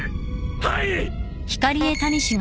はい！